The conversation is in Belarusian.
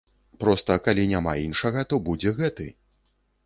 Проста, калі няма іншага, то будзе гэты.